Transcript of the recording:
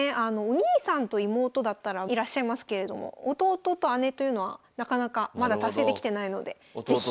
お兄さんと妹だったらいらっしゃいますけれども弟と姉というのはなかなかまだ達成できてないので是非。